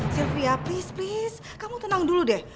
sylvia please please kamu tenang dulu deh